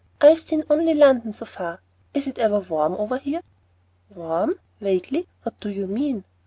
I've seen only London so far. Is it ever warm over here?" "Warm?" vaguely, "what do you mean?"